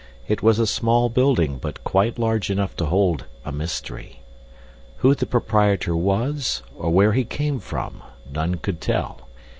It was a small building but quite large enough to hold a mystery. Who the proprietor was, or where he came from none could tell.